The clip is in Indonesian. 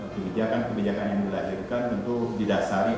kebijakan kebijakan yang dilahirkan tentu didasari